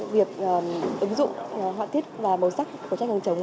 việc ứng dụng họa tiết và màu sắc của tranh hàng chống